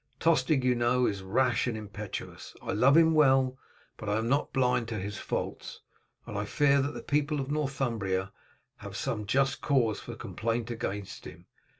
Tostig, you know, is rash and impetuous. I love him well, but am not blind to his faults; and I fear that the people of Northumbria have some just cause for complaint against him.